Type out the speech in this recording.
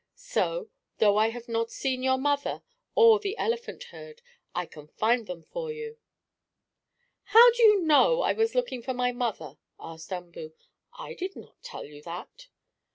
So, though I have not seen your mother, or the elephant herd, I can find them for you." "How did you know I was looking for my mother?" asked Umboo. "I did not tell you that."